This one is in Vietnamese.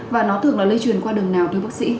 và nó thường là lây truyền qua đường nào thưa bác sĩ